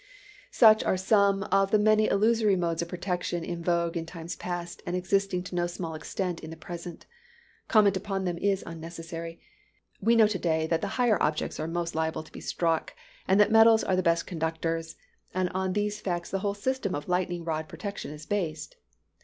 Such are some of the many illusory modes of protection in vogue in times past, and existing to no small extent in the present. Comment upon them is unnecessary. We know to day that the higher objects are most liable to be struck, and that metals are the best conductors; and on these facts the whole system of lightning rod protection is based.